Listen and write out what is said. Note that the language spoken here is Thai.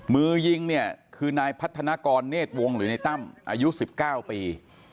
มือยิงเนี่ยคือนายพัฒนากรเนธวงศ์หรือในตั้มอายุ๑๙ปี